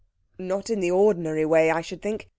"Not in the ordinary way, I should think.